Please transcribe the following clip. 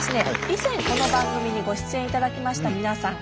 以前この番組にご出演いただきました皆さん